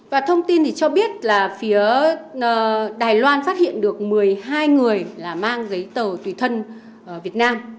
và thông tin thì cho biết là phía đài loan phát hiện được một mươi hai người là mang giấy tờ tùy thân việt nam